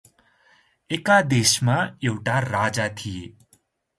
एकादेशमा एउटा राजा थिए ।